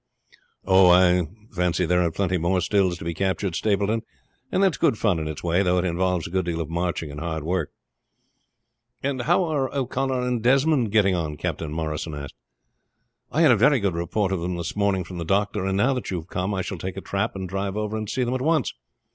"Oh, I fancy there are plenty more stills to be captured, Stapleton; and that's good fun in its way, though it involves a good deal of marching and hard work." "And how are O'Connor and Desmond getting on?" Captain Morrison asked. "I had a very good report of them this morning from the doctor, and now that you have come I shall take a trap and drive over and see them at once.